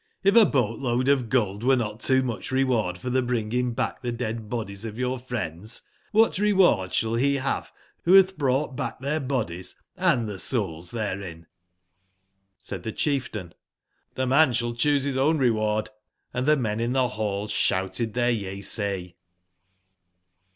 if a boat/load of gold were not too mucb reward for tbe bringing back tbe dead bodies of your friends, wbat reward sball be bave wbo batb brou gbt back tbeir bodies & tbe sou Is tberein?'' Said tbe chieftain :"irbe man sball cboose bis own reward ''j^Hnd tbe men in tbe ball sbouted tbeir yeasay.